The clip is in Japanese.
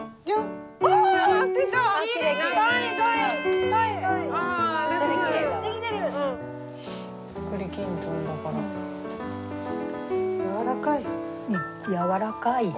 柔らかい。